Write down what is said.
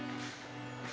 disebut dengan puskim